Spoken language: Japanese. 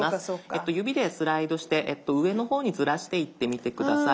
指でスライドして上の方にずらしていってみて下さい。